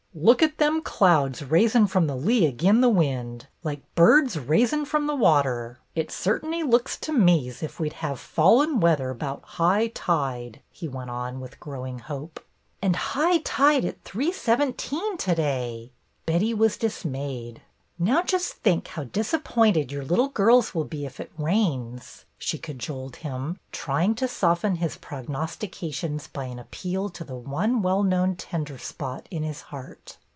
"Look at them clouds raisin' from the lee agin the wind, like birds raisin' from the water. It cert'n'y looks to me 's if we 'd have failin' weather 'bout high tide," he went on, with growing hope. "And high tide at 3.17 to day!" Betty was dismayed. "Now just think how disappointed your little girls will be if it rains," she cajoled him, trying to soften his prognostications by an appeal to the one well known tender spot in his heart.